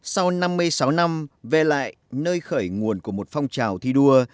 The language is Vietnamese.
sau năm mươi sáu năm về lại nơi khởi nguồn của một phong trào thi đua